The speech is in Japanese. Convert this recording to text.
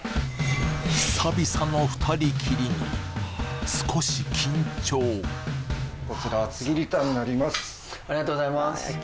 久々の２人きりに少し緊張ありがとうございます